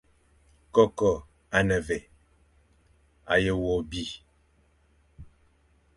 Koko a ne vé, a ye wo bi.